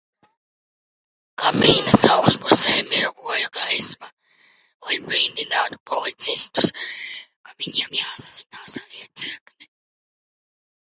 Kabīnes augšpusē mirgoja gaisma, lai brīdinātu policistus, ka viņiem jāsazinās ar iecirkni.